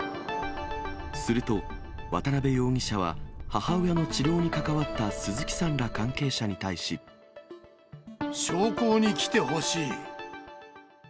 すると、渡辺容疑者は、母親の治療に関わった鈴木さんら関係者に対し。焼香に来てほしい。